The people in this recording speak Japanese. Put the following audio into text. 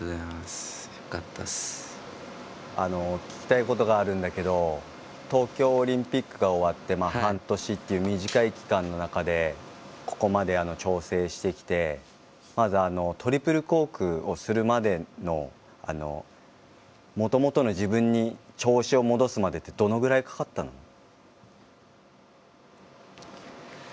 聞きたいことがあるんだけど東京オリンピックが終わって半年という短い期間の中でここまで調整してきてまずトリプルコークをするまでのもともとの自分に調子を戻すまでってどのぐらいかかったの？